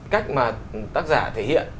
cách mà tác giả thể hiện